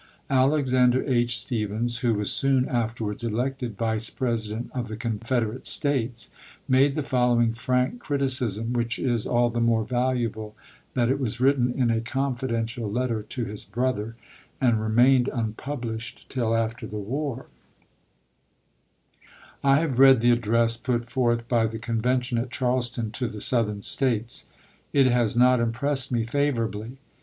Alexander H. Stephens, who was soon after wards elected Vice President of the Confederate States, made the following frank criticism which is all the more valuable that it was written in a confidential letter to his brother and remained unpublished till after the war: I have read the address put forth by the Convention at Charleston to the Southern States. It has not impressed me favorably.